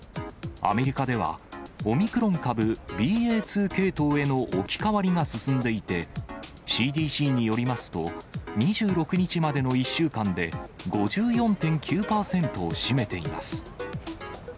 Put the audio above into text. アメリカでは、オミクロン株ＢＡ．２系統への置き換わりが進んでいて、ＣＤＣによりますと、２６日までの１週間で、５４．９％を占めています。